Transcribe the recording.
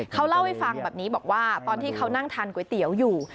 เขาเล่าให้ฟังแบบนี้บอกว่าตอนที่เขานั่งทานก๋วยเตี๋ยวอยู่